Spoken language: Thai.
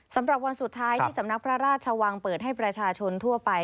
สำหรับวันสุดท้ายที่สำนักพระราชวังเปิดให้ประชาชนทั่วไป